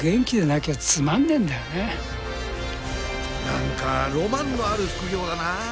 何かロマンのある副業だなあ。